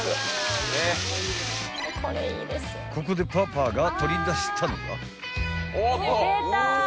［ここでパパが取り出したのが］